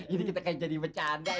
ini kita kayak jadi bercanda